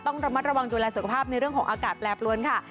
ต้องระมัดระวังดูแลสุขภาพในเรื่องของอากาศแปรปรวนค่ะ